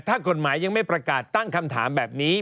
ถ้ากฎหมายยังไม่ประกาศตั้งคำถามแบบนี้